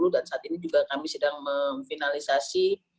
dan saat ini juga kami sedang memfinalisasi